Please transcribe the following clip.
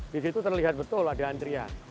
di situ terlihat betul ada antrian